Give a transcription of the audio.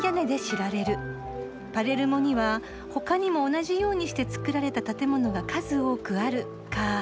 パレルモには他にも同じようにして造られた建物が数多くある」か。